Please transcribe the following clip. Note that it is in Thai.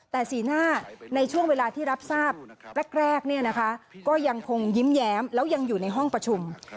แต่สีหน้าในช่วงเวลาที่รับทราบแรกก็ยังคงยิ้มแย้มแล้วยังอยู่ในห้องประชุม